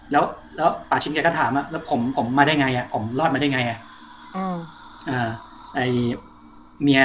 แล้วป่าชิ้นแกก็ถามผมมาได้ไงผมรอดมาได้ไง